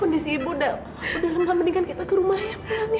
kondisi ibu udah gak mendingan kita ke rumah ya